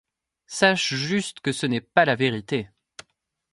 Sache juste que ce n’est pas la vérité.